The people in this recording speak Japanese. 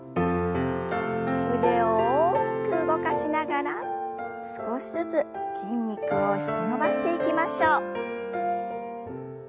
腕を大きく動かしながら少しずつ筋肉を引き伸ばしていきましょう。